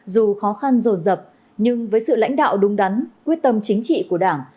dù khó khăn rồn rập nhưng với sự lãnh đạo đúng đắn quyết tâm chính trị của đảng